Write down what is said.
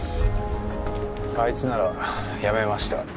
あいつなら辞めました。